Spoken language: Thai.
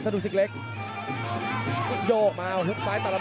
กระโดยสิ้งเล็กนี่ออกกันขาสันเหมือนกันครับ